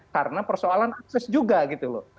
karena persoalan akses juga gitu loh